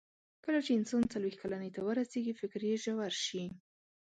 کله چې انسان څلوېښت کلنۍ ته ورسیږي، فکر یې ژور شي.